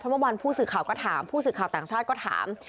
เมื่อวานผู้สื่อข่าวก็ถามผู้สื่อข่าวต่างชาติก็ถาม